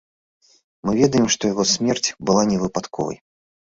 Мы ведаем, што яго смерць была невыпадковай.